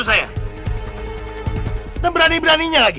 ebeng di korea lagi